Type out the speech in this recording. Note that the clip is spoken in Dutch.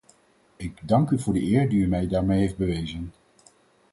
Ik dank u voor de eer die u mij daarmee heeft bewezen.